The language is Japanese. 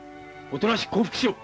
おとなしく降伏しろ。